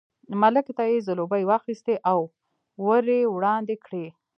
ملک ته یې ځلوبۍ واخیستې او ور یې وړاندې کړې.